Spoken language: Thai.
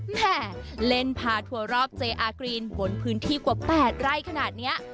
แหมเล่นพาทัวร์รอบเจอากรีนบนพื้นที่กว่า๘ไร่ขนาดนี้